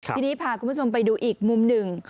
ทีนี้พาคุณผู้ชมไปดูอีกมุมหนึ่ง